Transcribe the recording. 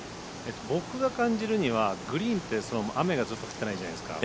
僕が感じるにはグリーンって雨がずっと降ってないじゃないですか。